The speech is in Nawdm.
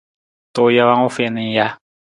Tuu jawang u fiin ng ja.